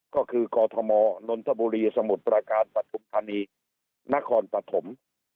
ก็คือกอทมนนทบุรีสมุทรประการปฐุมธานีนครปฐม